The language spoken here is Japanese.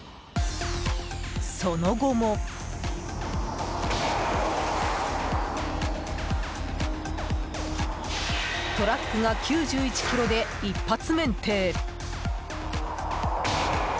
その後もトラックが９１キロで一発免停！